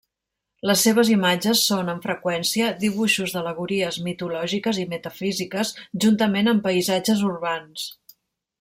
Les seves imatges són amb freqüència dibuixos d'al·legories mitològiques i metafísiques juntament amb paisatges urbans.